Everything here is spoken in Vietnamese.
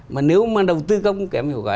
mà nếu mà đầu tư công kém hiệu quả